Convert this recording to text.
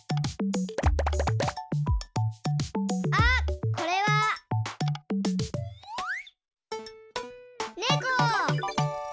あっこれは。ネコ！